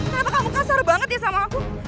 ternyata kamu kasar banget ya sama aku